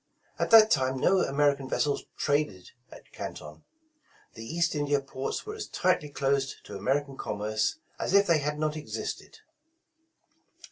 At that time no American vessels traded at Canton. The East India ports were as tightly closed to American commerce as if they had not existed.